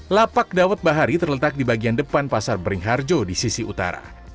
lapak dawet bahari terletak di bagian depan pasar beringharjo di sisi utara